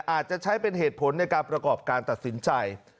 อาจจะใช้เป็นเหตุผลในการประกอบการตัดสินใจ